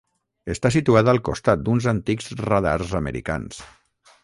Està situada al costat d'uns antics radars americans.